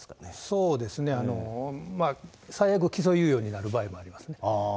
そうですね、最悪、起訴猶予になる可能性がありますね。